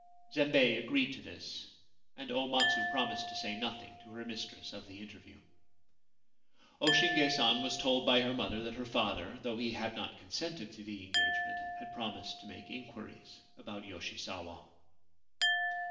Zembei agreed to this, and O Matsu promised to say nothing to her mistress of the interview. O Shinge San was told by her mother that her father, though he had not consented to the engagement, had promised to make inquiries about Yoshisawa.